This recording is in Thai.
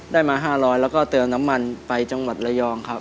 ได้มา๕๐๐แล้วก็เติมน้ำมันไปจังหวัดระยองครับ